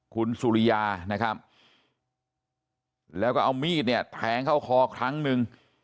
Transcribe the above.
คุณสุริยานะครับแล้วก็เอามีดเนี่ยแทงเข้าคอครั้งหนึ่ง